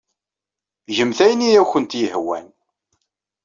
Gemt ayen ay awent-yehwan.